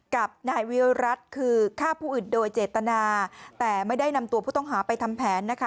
กับนายวิรัติคือฆ่าผู้อื่นโดยเจตนาแต่ไม่ได้นำตัวผู้ต้องหาไปทำแผนนะคะ